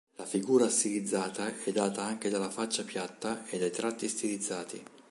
La figura stilizzata è data anche dalla faccia piatta, e dai tratti stilizzati.